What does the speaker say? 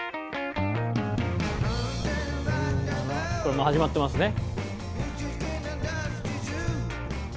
これもう始まってますね。